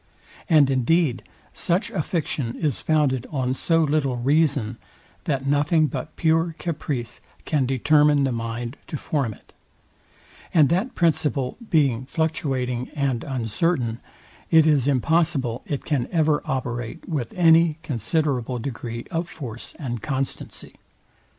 And indeed such a fiction is founded on so little reason, that nothing but pure caprice can determine the mind to form it; and that principle being fluctuating and uncertain, it is impossible it can ever operate with any considerable degree of force and constancy.